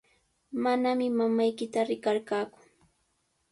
Manami mamaykita riqarqaaku.